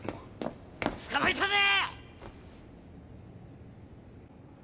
捕まえたぜ！